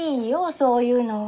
そういうのは。